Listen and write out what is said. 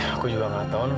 aku juga gak tau an